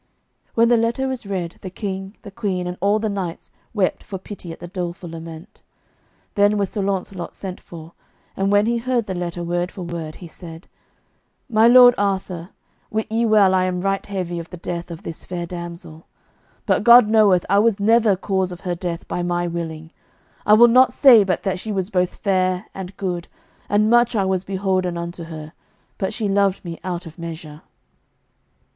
When the letter was read, the King, the Queen, and all the knights wept for pity at the doleful lament. Then was Sir Launcelot sent for, and when he heard the letter word by word, he said: "My lord Arthur, wit ye well I am right heavy of the death of this fair damsel, but God knoweth I was never cause of her death by my willing. I will not say but that she was both fair and good, and much I was beholden unto her, but she loved me out of measure."